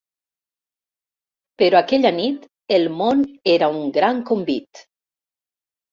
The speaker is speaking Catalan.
Però aquella nit el món era un gran convit.